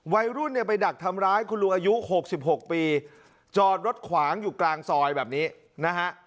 วัยรุ่นเนี่ยไปดักทำร้ายคุณลุงอายุ๖๖ปีจอดรถขวางอยู่กลางซอยแบบนี้นะฮะ